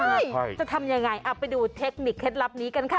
ใช่จะทำยังไงเอาไปดูเทคนิคเคล็ดลับนี้กันค่ะ